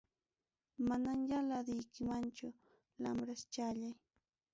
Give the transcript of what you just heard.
Manamya laduykimanchu lambraschallay.